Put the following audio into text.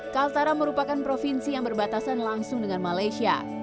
kaltara merupakan provinsi yang berbatasan langsung dengan malaysia